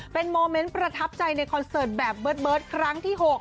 เป็นโมเมนต์ประทับใจในคอนเสิร์ตแบบเบิร์ตครั้งที่๖